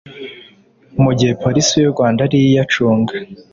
mu gihe polisi y’u Rwanda ariyo iyacunga